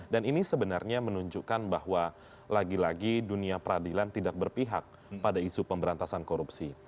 dan ini sebenarnya menunjukkan bahwa lagi lagi dunia peradilan tidak berpihak pada isu pemberantasan korupsi